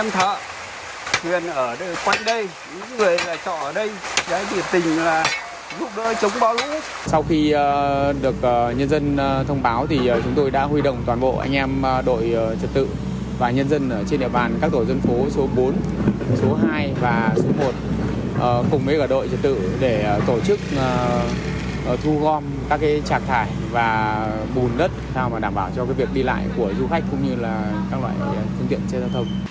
thu gom các trạc thải và bùn đất đảm bảo cho việc đi lại của du khách cũng như các loại phương tiện xe giao thông